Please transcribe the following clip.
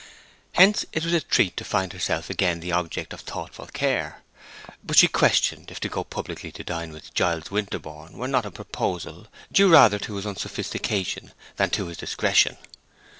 Hence it was a treat to her to find herself again the object of thoughtful care. But she questioned if to go publicly to dine with Giles Winterborne were not a proposal, due rather to his unsophistication than to his discretion.